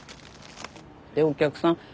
でお客さん